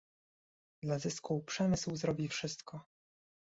Dla zysku przemysł zrobi wszystko